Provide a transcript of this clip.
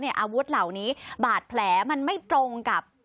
อาวุธเหล่านี้บาดแผลมันไม่ตรงกับ